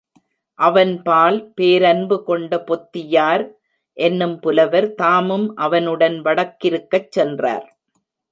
அவன்பால் பேரன்பு கொண்ட பொத்தியார் என்னும் புலவர் தாமும் அவ னுடன் வடக்கிருக்கச் சென்றார்.